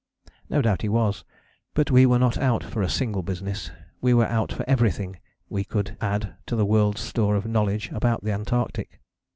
No doubt he was; but we were not out for a single business: we were out for everything we could add to the world's store of knowledge about the Antarctic.